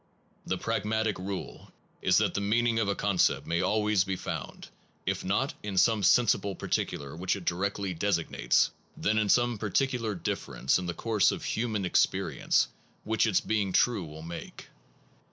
1 The pragmatic rule is that the meaning of a concept may always be found, if not in some sensible particular which it directly designates, then in some particular difference in the course of human experience which its being true will make.